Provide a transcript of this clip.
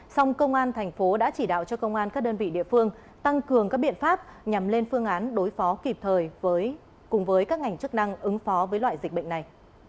song công an thành phố đã chỉ đạo cho công an các đơn vị địa phương tăng cường các biện pháp nhằm lên phương án đối phó kịp thời cùng với các ngành chức năng ứng phó với loại dịch bệnh này